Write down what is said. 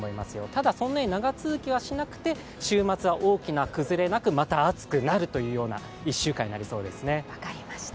ただそんなに長続きはしなくて、週末は大きな崩れなくまた暑くなるというような１週間になりそうですね。